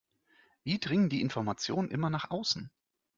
Wie dringen die Informationen immer nach außen?